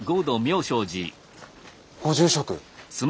ご住職！